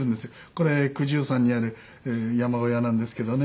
これ九重山にある山小屋なんですけどね。